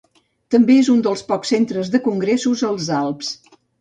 També és un dels pocs centres de congressos als Alps.